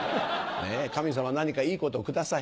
神様何かいいことをください